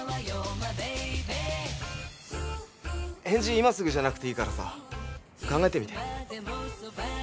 今すぐじゃなくていいからさ考えてみて。